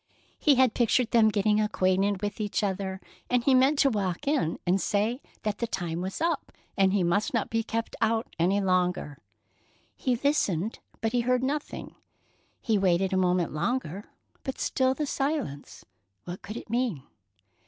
He had pictured them getting acquainted with each other, and he meant to walk in and say that the time was up and he must not be kept out any longer. He listened, but he heard nothing. He waited a moment longer, but still the silence. What could it mean?